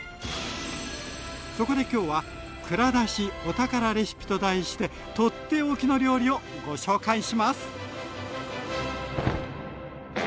そこで今日は「蔵出し！お宝レシピ」と題して取って置きの料理をご紹介します。